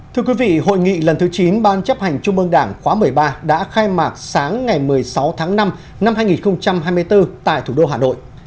thưa quý vị hội nghị lần thứ chín ban chấp hành trung ương đảng khóa một mươi ba đã khai mạc sáng ngày một mươi sáu tháng năm năm hai nghìn hai mươi bốn tại thủ đô hà nội